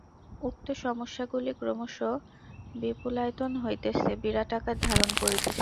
উক্ত সমস্যাগুলি ক্রমশ বিপুলায়তন হইতেছে, বিরাট আকার ধারণ করিতেছে।